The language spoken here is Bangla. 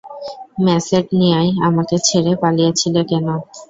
ম্যাসেডনিয়ায় আমাকে ছেড়ে পালিয়েছিলে কেন?